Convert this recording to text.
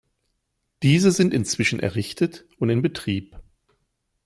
Diese sind inzwischen errichtet und in Betrieb.